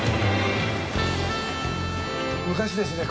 昔ですね